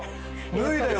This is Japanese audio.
脱いだよ。